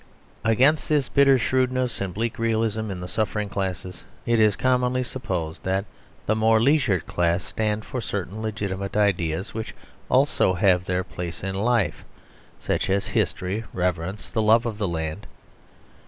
Against this bitter shrewdness and bleak realism in the suffering classes it is commonly supposed that the more leisured classes stand for certain legitimate ideas which also have their place in life; such as history, reverence, the love of the land.